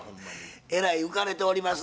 えらい浮かれております